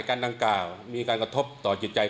การดังกล่าวมีการกระทบต่อจิตใจ